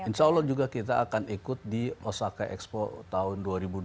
insya allah juga kita akan ikut di osaka expo tahun dua ribu dua puluh